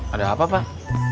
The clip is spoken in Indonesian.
ada apa pak